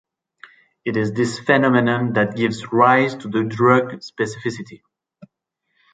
It is this phenomenon that gives rise to drug specificity.